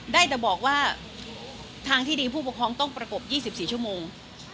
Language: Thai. ได้แต่บอกว่าทางที่ดีผู้ปกครองต้องประกบ๒๔ชั่วโมง